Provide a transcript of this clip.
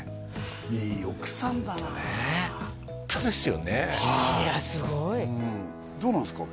いい奥さんだなホントですよねいやすごいどうなんですか？